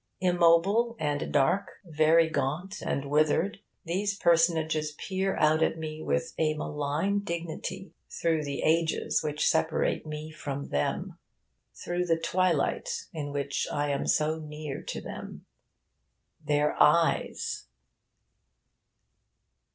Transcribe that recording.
Immobile and dark, very gaunt and withered, these personages peer out at me with a malign dignity, through the ages which separate me from them, through the twilight in which I am so near to them. Their eyes...